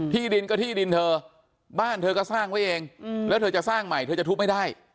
ดินก็ที่ดินเธอบ้านเธอก็สร้างไว้เองแล้วเธอจะสร้างใหม่เธอจะทุบไม่ได้